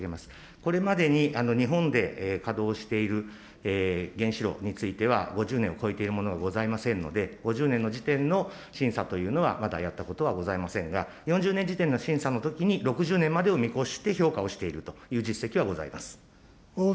これまでに日本で稼働している原子炉については、５０年超えているものはございませんので、５０年の時点の審査というのは、まだやったことはございませんが、４０年時点の審査のときに、６０年までを見越して、評価をしているという実績はございます。